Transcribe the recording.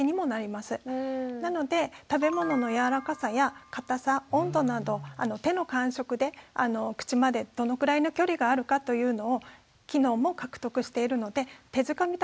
なので食べ物の柔らかさや固さ温度など手の感触で口までどのくらいの距離があるかというのを機能も獲得しているので手づかみ